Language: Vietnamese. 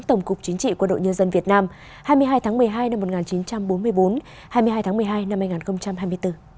tổng cục chính trị quân đội nhân dân việt nam hai mươi hai tháng một mươi hai năm một nghìn chín trăm bốn mươi bốn hai mươi hai tháng một mươi hai năm hai nghìn hai mươi bốn